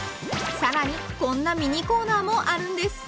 更に、こんなミニコーナーもあるんです。